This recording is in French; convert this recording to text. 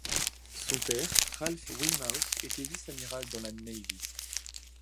Son père, Ralph Weymouth, était vice amiral dans la Navy.